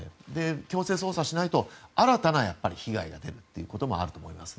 強制捜査しないと新たな被害が出るということもあると思いますね。